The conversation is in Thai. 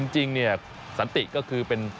จริงเนี่ยสันติก็คือเป็น